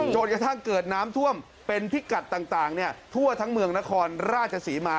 จนกระทั่งเกิดน้ำท่วมเป็นพิกัดต่างทั่วทั้งเมืองนครราชศรีมา